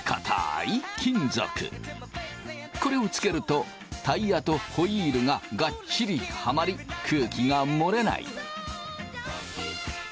これをつけるとタイヤとホイールがガッチリはまり空気が漏れない。